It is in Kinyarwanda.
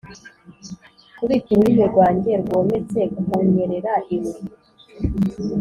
kubika ururimi rwanjye rwometse, kunyerera ibuye,